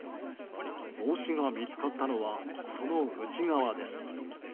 帽子が見つかったのはその内側です。